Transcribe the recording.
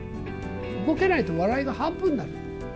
動けないと笑いが半分になるの。